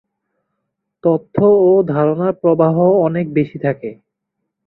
তথ্য ও ধারণার প্রবাহ অনেক বেশি থাকে।